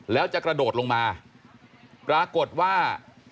แล้วจะกระโดดลงมาปรากฏว่า